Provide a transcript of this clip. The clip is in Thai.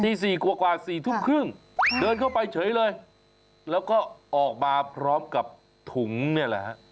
สี่กว่าสี่ทุ่มครึ่งเดินเข้าไปเฉยเลยแล้วก็ออกมาพร้อมกับถุงเนี่ยแหละฮะ